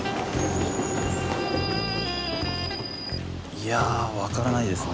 いやあわからないですね。